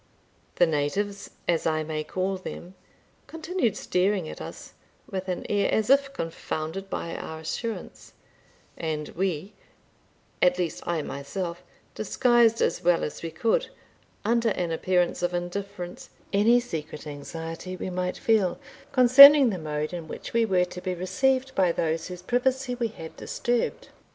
The natives, as I may call them, continued staring at us with an air as if confounded by our assurance, and we, at least I myself, disguised as well as we could, under an appearance of indifference, any secret anxiety we might feel concerning the mode in which we were to be received by those whose privacy we had disturbed.